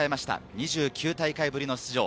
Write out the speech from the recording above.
２９大会ぶりの出場。